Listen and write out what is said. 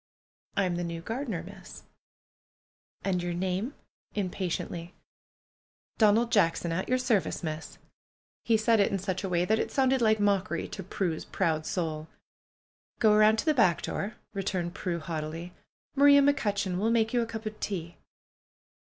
"I am the new gardener. Miss." "And your name?" impatiently. "Donald Jackson, at your service. Miss." He said 182 PRUE'S GARDENER it in such a way that it sounded like mockery to Prue's proud soul. "Go around to the back door/^ returned Prue, haugh tily. "Maria McCutcheon will make you a cup of tea."